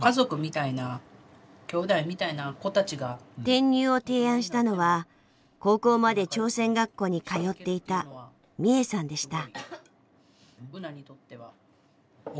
転入を提案したのは高校まで朝鮮学校に通っていたミエさんでした。